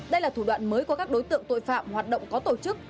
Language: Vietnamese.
đây là thủ đoạn mới của các đối tượng tội phạm hoạt động có tổ chức